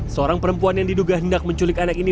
seorang perempuan yang diduga hendak menculik anak ini